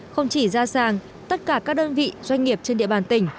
không chỉ gia sàng tất cả các đơn vị doanh nghiệp trên địa bàn tỉnh